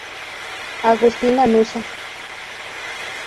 Agustín Lanuza.